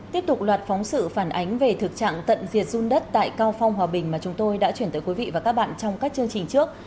tiếp tục loạt phóng sự phản ánh về thực trạng tận diệt dung đất tại cao phong hòa bình mà chúng tôi đã chuyển tới quý vị và các bạn trong các chương trình trước